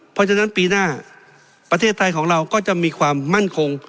เพราะฉะนั้นปีหน้าประเทศไทยของเราก็จะมีความมั่นคง